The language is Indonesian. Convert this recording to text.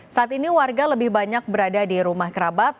saat ini warga lebih banyak berada di rumah kerabat